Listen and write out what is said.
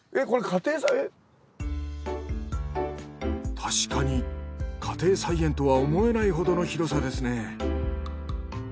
確かに家庭菜園とは思えないほどの広さですね。